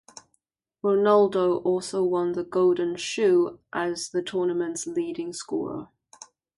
Ronaldo also won the Golden Shoe as the tournament's leading scorer.